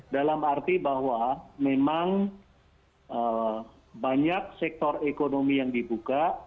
dalam arti bahwa memang banyak sektor ekonomi yang dibuka